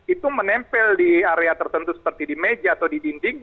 itu menempel di area tertentu seperti di meja atau di dinding